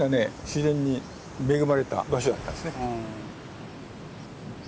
自然に恵まれた場所だったんですね。